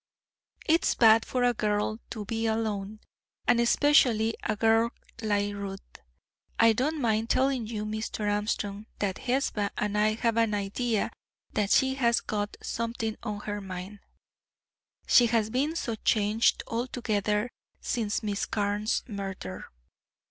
It's bad for a girl to be alone, and especially a girl like Ruth. I don't mind telling you, Mr. Armstrong, that Hesba and I have an idea that she has got something on her mind, she has been so changed altogether since Miss Carne's murder.